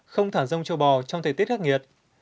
không thả rông châu bò trong thời tiết khắc nghiệt